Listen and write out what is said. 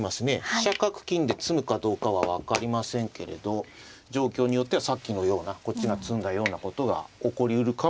飛車角金で詰むかどうかは分かりませんけれど状況によってはさっきのようなこっちが詰んだようなことが起こりうるかもしれません。